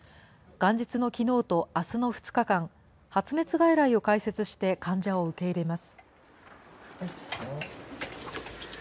元日のきのうとあすの２日間、発熱外来を開設して患者を受け入れます。